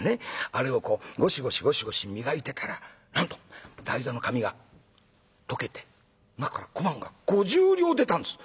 あれをこうゴシゴシゴシゴシ磨いてたらなんと台座の紙が溶けて中から小判が５０両出たんです」。